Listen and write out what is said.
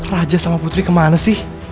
raja sama putri kemana sih